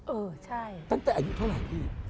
เออใช่ตั้งแต่อายุเท่าไหร่พี่